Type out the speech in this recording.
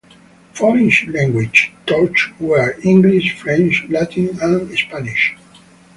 Foreign languages taught were English, French, Latin and Spanish.